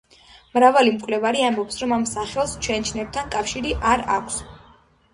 მრავალი მკვლევარი ამბობს, რომ ამ სახელს ჩეჩნებთან კავშირი არ აქვს.